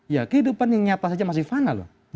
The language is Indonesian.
ya kehidupan yang nyata saja masih fana loh